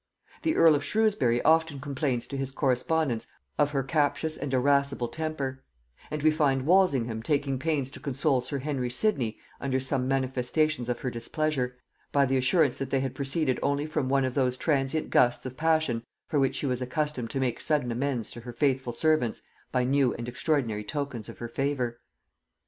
The earl of Shrewsbury often complains to his correspondents of her captious and irascible temper; and we find Walsingham taking pains to console sir Henry Sidney under some manifestations of her displeasure, by the assurance that they had proceeded only from one of those transient gusts of passion for which she was accustomed to make sudden amends to her faithful servants by new and extraordinary tokens of her favor.